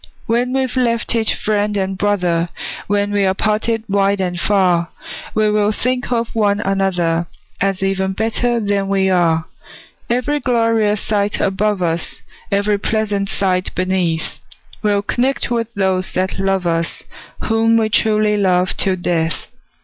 When we've left each friend and brother, When we're parted wide and far, We will think of one another, As even better than we are. Every glorious sight above us, Every pleasant sight beneath, We'll connect with those that love us, Whom we truly love till death!